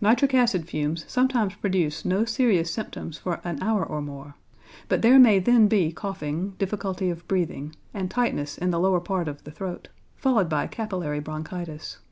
Nitric acid fumes sometimes produce no serious symptoms for an hour or more, but there may then be coughing, difficulty of breathing, and tightness in the lower part of the throat, followed by capillary bronchitis (see p.